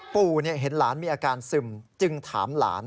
ปู่เห็นหลานมีอาการซึมจึงถามหลาน